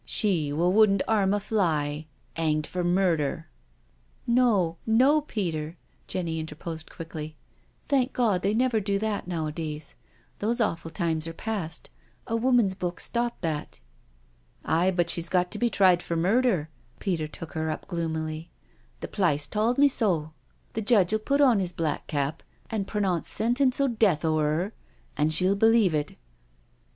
" She w'q wouldn't 'arm a fly, 'anged for murder I" " No — no, Peter," Jenny interposed quickly: " thank God, they never do that nowadays — those awful times are past— a woman's book stopped that "*• Aye, but she's got to be tried for murder," Peter took her up gloomily; '* the p'lice tawld me so — the judge'U put on 'is black cap an' preneaunce sentence o' death over 'er— an' she'll believe it."